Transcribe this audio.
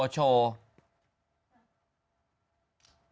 โชว์